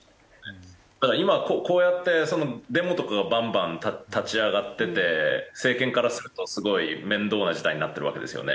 ただ今こうやってデモとかがバンバン立ち上がってて政権からするとすごい面倒な事態になってるわけですよね。